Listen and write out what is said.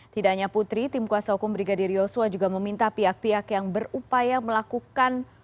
tidak hanya putri tim kuasa hukum brigadir yosua juga meminta pihak pihak yang berupaya melakukan